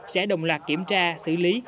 sẽ đồng loạt kiểm tra xử lý